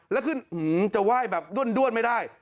แล้วขึ้นจะไหว้แบบด้วนไม่ได้